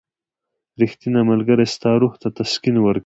• ریښتینی ملګری ستا روح ته تسکین ورکوي.